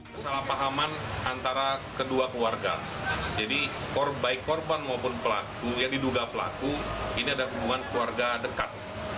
kesalahpahaman antara kedua keluarga jadi baik korban maupun pelaku yang diduga pelaku ini ada hubungan keluarga dekat